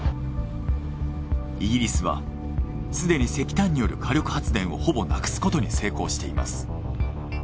イギリスはすでに石炭による火力発電をほぼなくすことに成功しています。